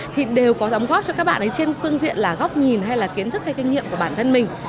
thì đều có đóng góp cho các bạn ấy trên phương diện là góc nhìn hay là kiến thức hay kinh nghiệm của bản thân mình